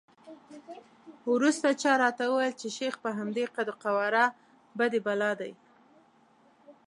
وروسته چا راته وویل چې شیخ په همدې قد وقواره بدي بلا دی.